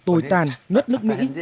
tồi tàn ngất nước mỹ